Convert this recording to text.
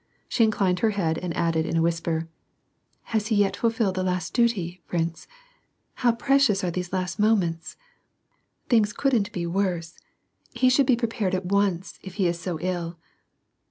She inclined her head and added, in a whisper :" Has he yet fulfilled the last duty, prince ? How precious are these last moments ! Things couldn't be worse, he should be prepared at once, if he is so ill.